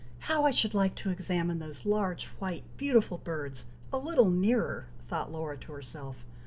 "How I should like to examine those large, white, beautiful birds, a little nearer," thought Laura to herself.